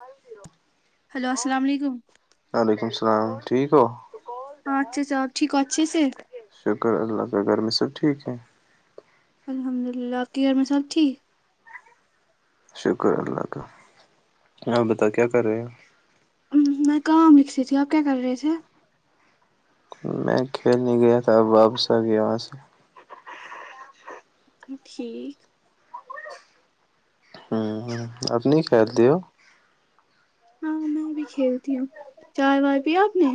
one zero hello السلام علیکم سلام ٹھیک ہو اں اچھا سب ٹھیک اچ سے شکر اللہ ت گرمی سےب ٹھیک ہے الحمد للہ کیی اور میں سب ٹھیک شکر اللہ کا آپ بتاؤ کیا کر رہے ہیں میں کام رکھسی تھی آپ کیا کر رہے تھے میں کھیلنے گیا تھا اب واپس آ گیا وہاں سے ٹھیک ہ ہ اپنی خیال د ہو ہاں میں بھی کھیلتی ہوں چائے وائے بھی آپ نے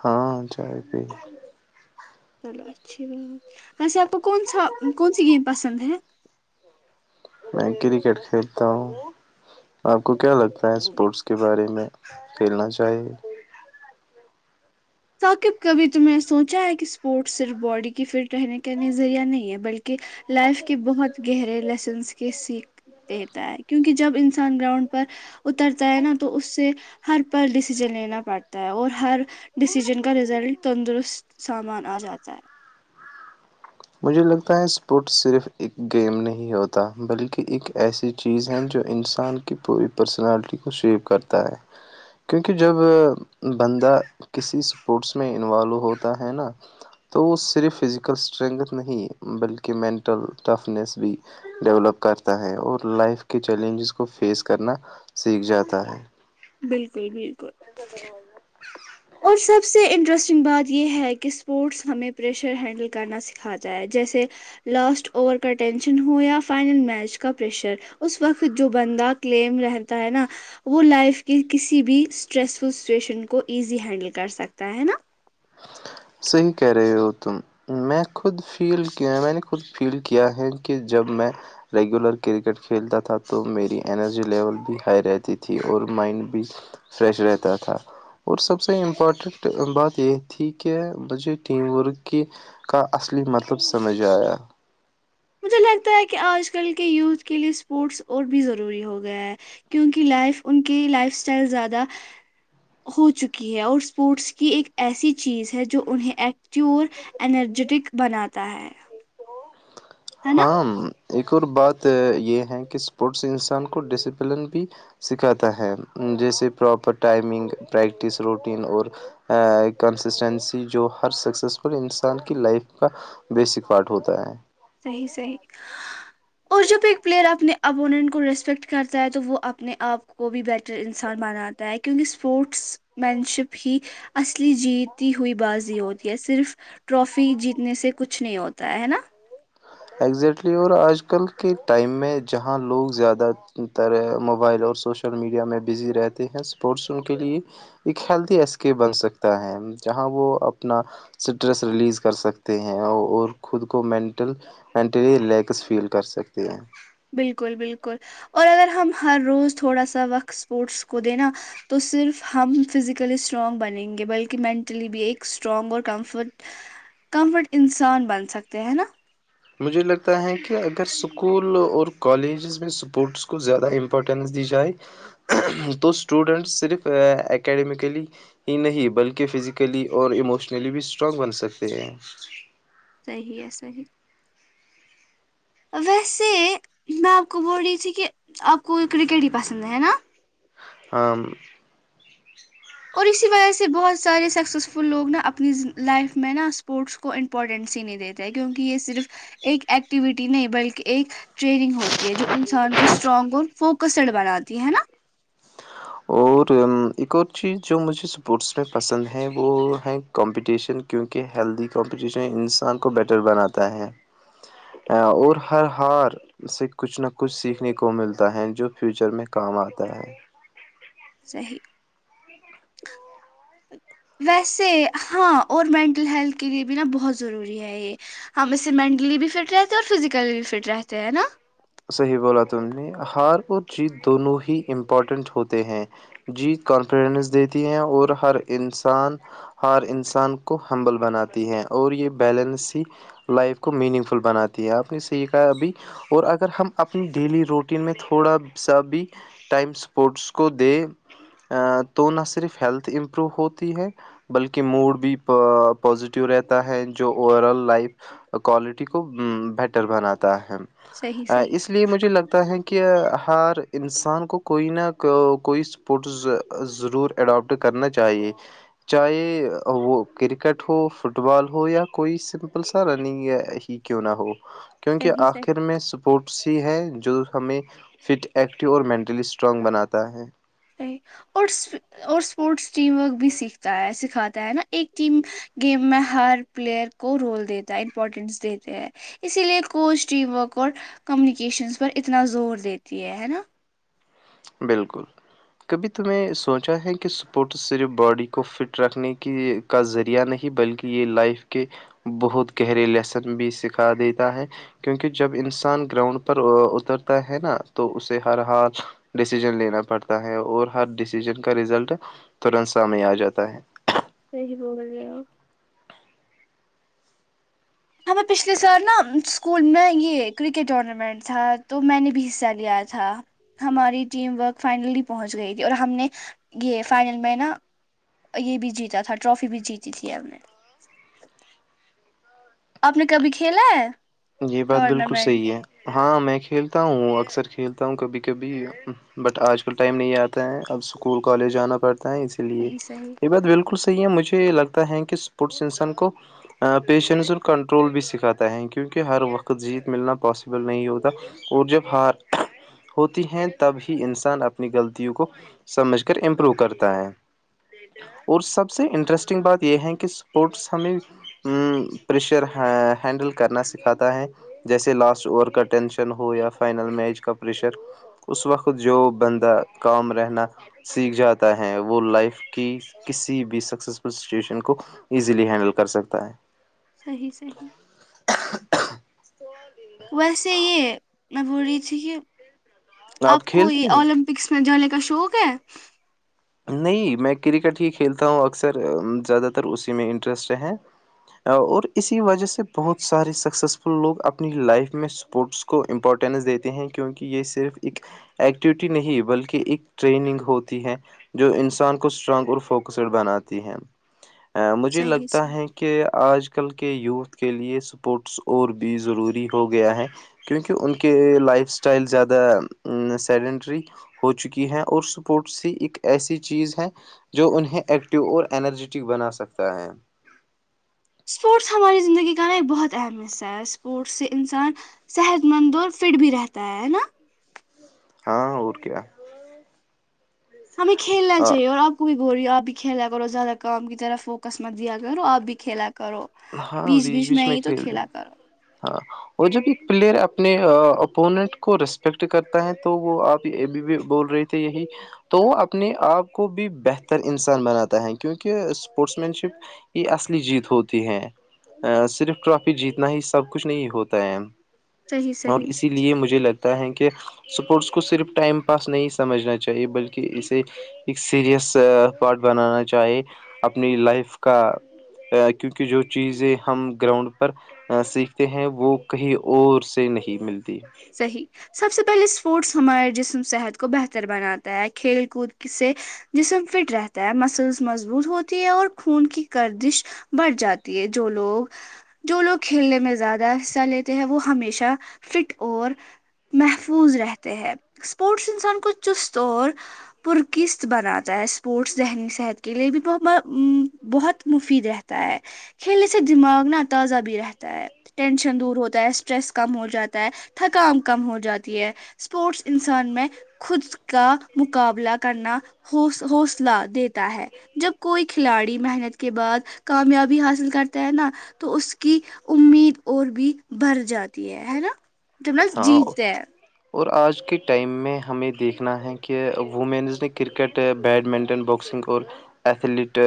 ہاں چائے پ چلو اچھا ویسے آپ کو کون سا کون سی گیم پسند ہے میں کرکٹ کھیلتا ہوں آپ کو کیا لگتا ہے اسپورٹس کے بارے میں کھیلنا چاہیے ثاقب کبھی تمہ نے سوچا ہے کہ اسپورٹس صرف باڈی کی فٹ رہنے کا نظذریعہ نہیں ہے بلکہ لائف کے بہت گہرے لیسنس کے سیکھ دیتا ہے کیونکہ جب انسان گراؤنڈ پر اترتا ہے نا تو اس سے ہر پر ڈسیزن لینا پڑتا ہے اور ہر ڈسیژن کا رزلٹ تندرست سامان آ جاتا ہے مجھے لگتا ہے اسپورٹس صرف ایک گیم نہیں ہوتا بلکہ ایک ایسی چیز ہے جو انسان کی پوری پرسنالٹی کو شیپ کرتا ہے کیونکہ جب بندہ کسی اسپورٹس میں انوالو ہوتا ہے نا تو وہ صرف فزیکل اسٹرنگھ نہیں بلکہ مینٹل ٹفنیس بھی ڈیولپ کرتا ہے اور لائف کے چیلنجز کو فیس کرنا سیکھ جاتا ہے بالکل بالکل [unintelligible] اور سب سے انٹرسٹنگ بات یہ ہے کہ اسپورٹس ہمیں پریشر ہینڈل کرنا سکھاتا ہے جیسے لاسٹ اوور کا ٹینشن ہو یا فائنل میچ کا پریشر اس وقت جو بندہ کلیم رہتا ہے نا وہ لائف کی کسی بھی اسٹریس فل سچویشن کو ایز ہینڈل کر سکتا ہے ہے نا صحیح کہہ رہے ہو تم میں خود فیل کیا میں نے خود فیل کیا ہے کہ جب میں ریگولر کرکٹ کھیلتا تھا تو میری انرجی لیول بھی ہائی رہتی تھی اور مائنڈ بھی فریش رہتا تھا اور سب سے امپارٹنٹ بات یہ تھی کہ مجھے ٹیم ورک کی کا اصلی مطلب سمجھ آیا مجھے لگتا ہے کہ آج کل کے یوتھ کے لئے اسپورٹس اور بھی ضروری ہو گیا ہے کیونکہ لائف ان کی لائف اسٹائل زیادہ ہو چکی ہے اور اسپورٹس کی ایک ایسی چیز ہے جو انہیں ایکٹیو اور انرجیٹک بناتا ہے ہے نا ہاں ایک اور بات یہ ہے کہ اسپورٹس انسان کو ڈسپلن بھی سکھاتا ہے جیسے پراپر ٹائمنگ پریکٹس روٹین اور کنسسٹنسی جو ہر سکسیسفل انسان کی لائف کا بیسک پارٹ ہوتا ہے صحیح صحیح اور جب ایک پلیئر اپنے اپوننٹ کو ریسپیکٹ کرتا ہے تو وہ اپنے آپ کو بھی بیٹر انسان بناتا ہے کیونکہ اسپورٹس مین شپ ہی اصلی جیتی ہوئی بازی ہوتی ہے صرف ٹرافی جیتنے سے کچھ نہیں ہوتا ہے ہے نا ایگزیکٹلی اور آج کل کے ٹائم میں جہاں لوگ زیادہ تر موبائل اور سوشل میڈیا میں بزی رہتے ہیں اسپورٹس ان کے لیے ایک ہیلدی ایسکے بن سکتا ہے جہاں وہ اپنا اسٹریس ریلیز کر سکتے ہیں اور خود کو مینٹل مینٹلی ریلیکس فیل کر سکتے ہیں بالکل بالکل اور اگر ہم ہر روز تھوڑا سا وقت اسپورٹس کو دینا تو صرف ہم فزیکلی اسٹرانگ بنیں گے بلکہ مینٹلی بھی ایک اسٹرانگ اور کمفرٹ کمفرٹ انسان بن سکتے ہے نا مجھے لگتا ہے کہ اگر اسکول اور کالجز میں اسپورٹس کو زیادہ امپورٹینس دی جائے تو اسٹوڈنٹ صرف اکیڈمیکلی ہی نہیں بلکہ فزیکلی اور ایموشنلی بھی اسٹرانگ بن سکتے ہیں صحیح ہے صحیح ویسے میں آپ کو بول رہی تھی کہ آپ کو کرکٹ ہی پسند ہے نا آم اور اسی وجہ سے بہت سارے سکسیزفل لوگ نا اپنی لائف میں نا اسپورٹس کو امپورٹینس ہی نہیں دیتے کیونکہ یہ صرف ایک ایکٹیوٹی نہیں بلکہ ایک ٹریننگ ہوتی جو انسان کو اسٹرانگ اور فوکس ک سڑ بنای ہے نا اور ایک اور چیز جو مجھے اسپورٹس میں پسند ہے وہ ہے کمپٹیشن کیونکہ ہیلدی کمپٹیشن انسان کو بیٹر بناتا ہے اور ہر ہار سے کچھ نہ کچھ سیکھنے کو ملتا ہے جو فیوچر میں کام آتا ہے صحی ویسے ہاں اور مینٹل ہیلتھ کے لیے بھی نا بہت ضروری ہے یہ ہم اس سے مینٹلی بھی فٹ رہتے ہیں اور فزیکلی بھی فٹ رہتے ہیں نا صحیح بولا تم نے ہار اور جیت دونوں ہی امپورٹنٹ ہوتے ہیں جیت کانفیڈنس دیتی ہے اور ہر انسان ہر انسان کو ہمبل بناتی ہے اور یہ بیلنس ہی لائف کو میننگ فل بناتی ہے آپ نے سحا اب بھی اور اگر ہم اپنی ڈیلی روٹین میں تھوڑا سا بھی ٹائم اسپورٹس کو دیں تو نہ صرف ہیلتھ امپروو ہوتی ہے بلکہ موڈ بھی پوازیٹیو رہتا ہے جو اوور آل لائف کوالٹی کو بیٹر بناتا ہے صحیح صحیح اس لیے مجھے لگتا ہے کہ ہر انسان کو کوئی نہ کوئی اسپورٹس ضرور اڈاپٹ کرنا چاہیے چاہے وہ کرکٹ ہو فٹ بال ہو یا کوئی سمپل سا رننگیا ہی کیوں نہ ہو کیونکہ صحیح صحیح آخر میں سب ہی ہے جو ہمیں فٹ ایکٹیو اور مینٹلی اسٹرانگ بناتا ہے اور اور اسپورٹس ٹیم ورک بھی سیکھتا ہے سکھاتا ہے نا ایک ٹیم گیم میں ہر پلیئر کو رول دیتا ہے امپورٹینس دیتے ہے اسی لئے کوچ ٹیم ورک اور کمیونیکیشنس پر اتنا زور دیتی ہے ہے نا بالکل کبھی تمیں سوچا ہے کہ اسپورٹس صرف باڈی کو فٹ رکھنے کی کا ذریعہ نہیں بلکہ یہ لائف کے بہت گہرے لیسن بھی سکھا دیتا ہے کیونکہ جب انسان گراؤنڈ پر اترتا ہے نا تو اسے ہر حال ڈسیزن لینا پڑتا ہے اور ہر ڈیسیزن کا رزلٹ ترنت سامنے آ جاتا ہے [unintelligible] ہمیں پچھلے سال نا اسکول میں یہ کرکٹ ٹورنامنٹ تھا تو میں نے بھی حصہ لیا تھا ہماری ٹیم ورک فائنل ہی پہنچ گئی تھی اور ہم نے یہ فائنل میں نا یہ بھی جیتا تھا ٹرافی بھی جیتی تھی ہم نے آپ نے کبھی کھیلا ہے یہ بات بالکل ٹورنامنٹ صحیح ہے ہاں میں کھیلتا ہوں اکثر کھیلتا ہوں کبھی کبھی بٹ آج کل ٹائم نہیں آتا ہے اب اسکول کالج جانا پڑتا اسی لیے صحیح صحیح یہ بات بالکل سب یہ مجھے یہ لگتا ہے کہ اسپورٹس انسان کو پیشنس اور کنٹرول بھی سکھاتا ہے کی کہ ہر وقت جیت ملنا پاسبل نہیں ہوتا اور جب ہار ہوتی ہے تب ہی انسان اپنی غلطوں کو سمجھ کر امپروو کرتا ہے اور سب سے انٹرسٹنگ بات یہ ہے کہ اسپورٹس ہمیں پریشر ہینڈل کرنا سکھاتا ہے جیسے لاسٹ اوور کا ٹینشن ہو یا فائنل میچ کا پریشر اس وقت جو بندہ کام رہنا سیکھ جاتا ہے وہ لائف کی کسی بھی سکسیسفل سچویشن کو ایزیلی ہینڈل کر سکتا ہے صی صی ہ ویسے یہ میں بو رہی چھی کہ آپ کو کھیلتے یہ ہو اولمپکس میں جو ہے ل اشوک ہے نہیں میں کرکٹ ہی کھیلتا ہوں اکثر زیادہ تر اسی میں انٹرسٹ ہیں اور اسی وجہ سے بہت سارے سکسیزفل لوگ اپنی لائف میں اسپورٹس کو امپورٹینس دیتے ہیں کیونکہ یہ صرف ایک ایکٹیوٹی نہیں بلکہ ایک ٹریننگ ہوتی ہے جو انسان کو اسٹرانگ اور فوکسڈ بناتی ہے مجھے صحیح لگتا صحیح ہے کہ آج آج کل کے یوتھ کے لیے سپورٹس اور بھی ضروری ہو گیا ہے کیونکہ ان کے لائف اسٹائل زیادہ سیڈنڈری ہو چکی ہیں اور سپورٹس ہی ایک ایسی چیز ہے جو انہیں ایکٹو اور انرجیٹک بنا سکتا ہے اسپورٹس ہماری زندگی کا نا ایک بہت اہم حصہ ہے اسپورٹس سے انسان صحت مند اور فٹ بھی رہتا ہے نا ہاں اور کی ہے ہمیں کھیلنا چاہیے اور آپ کو گوری آپ بھی کھیلک اور زیادہ کام کی طرح فوک دیا گا اور آپ بھی کھیلکا کرو ہاں بیس بیچ بیس بیچ میں ہی تو کھیل د کھیلا کرو ہاں اور جب ایک پلیئر اپنے اپونٹ کو ریسپیکٹ کرتا ہے تو وہ آپ ابھی بھی بول رہے تھے یہی تو وہ اپنے آپ کو بھی بہتر انسان بناتا ہے کیونکہ اسپورٹس مین شپ یہ اصلی جیت ہوتی ہیں صرف ٹرافی جیتنا ہی سب کچھ نہیں ہوتا ہے صحیح اور صحیح اسی لیے مجھے لگتا ہے کہ کہ اسپورٹس کو صرف ٹائم پاس نہیں سمجھنا چاہیے بلکہ اسے ایک سیریس پارٹ بنانا چاہیے اپنی لائف کا کیونکہ جو چیزیں ہم گراؤنڈ پر سیکھتے ہیں وہ کہیں اور سے نہیں ملتی صحیح سب سے پہلے اسپورٹس ہمارے جسم صحت کو بہتر بناتا ہے کھیل کود سے جسم فٹ رہتا ہے مسلس مضبوط ہوتی ہے اور خون کی گدش بڑھ جاتی ہے جو لوگ جو لوگ کھیلنے میں زیادہ حصہ لیتے ہیں وہ ہمیشہ فٹ اور محفوظ رہتے ہیں اسپورٹس انسان کو چست اور پرکست بناتا ہے اسپورٹس ذہنی صحت کے لیے بھی بہت مفید رہتا ہے کھیلنے سے دماغ ن تازہ بھی رہتا ہے ٹینشن دور ہوتا ہے اسٹریس کم ہو جاتا ہے تھکام کم ہو جاتی ہے اسپورٹس انسان میں خود کا مقابلہ کرنا حوصلہ دیتا ہے جب کوئی کھلاڑی محنت کے بعد کامیابی حاصل کرتا ہے نا تو اس کی امید اور بھی بڑ جاتی ہے ہے نا تو میں ہاں جیتے اور آج کے ٹائم میں ہمیں دیکھنا ہے کہ وومینز نے کرکٹ بیڈمنٹن باکسنگ اور ایتھلیٹ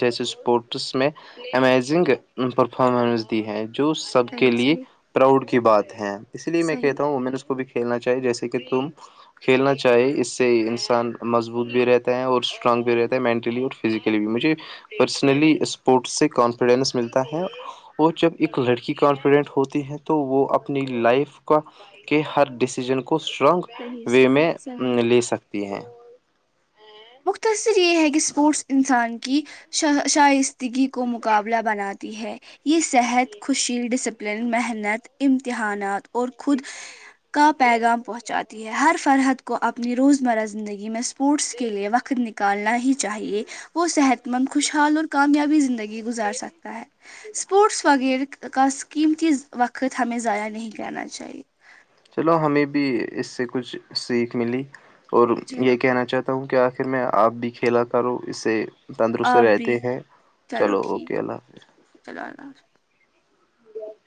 جیسے اسپورٹس میں امیزنگ پرفارمنس دی ہے جو سب کے صحیح لیے صحیح پراؤڈ کی بات ہے اس لیے میں صحیح کہتا ہوں وہ میں نے اس کو بھی کھیلنا جیسے کہ تم کھیلنا چاہے اس سے انسان مضبوط بھی رہتا ہے اور اسٹرانگ بھی رہتا ہے مینٹلی اور فزیکلی بھی مجھے پرسنلی اسپورٹس سے کانفیڈنس ملتا ہے اور جب ایک لڑکی کانفیڈنٹ ہوتی ہے تو وہ اپنی لائف کا کے ہر ڈسیزن کو کو اسٹرانگ صحیح وے صحیح میں صحیح لے سکتی ہیں مختصر یہ ہے کہ اسپورٹس انسان کی شائستگی کو مقابلہ بناتی ہے یہ صحت خوشی ڈسپلن محنت امتحانات اور خود کا پیغام پہنچاتی ہے ہر فرحت کو اپنی روزمرہ زندگی میں اسپورٹس کے لیے وقت نکالنا ہی چاہیے وہ صحت مند خوشحال اور کامیابی زندگی گزار سکتا ہے اسپورٹس وغیرہ کا اسکیم تھی وقت ہمیں ضائع نہیں کرنا چاہیے چلو ہمیں بھی اس سے کچھ سیکھ ملی اور چلو یہ کہنا چاہتا ہوں کہ آخر میں آپ بھی کھیلا کروں اس سے تندرست آپ بھی رہتے ہیں چلو اوکے اللہ حافظ چلو اللہ